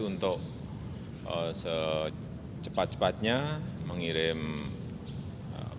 untuk secepat cepatnya mengirim banjir di kalimantan selatan